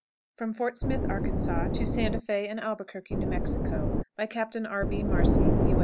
From Fort Smith, Arkansas, to Santa Fé and Albuquerque, New Mexico. By Captain R. B. MARCY, U.